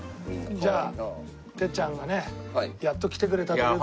じゃあてっちゃんがねやっと来てくれたという事で。